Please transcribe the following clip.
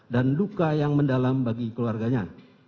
dan luka yang mendalam bagi keluarganya